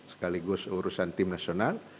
sekaligus urusan tim nasional